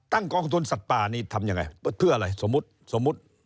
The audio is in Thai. ตั้งกองทุนสัตว์ปลานี่ทำยังไงเพื่ออะไรสมมุติ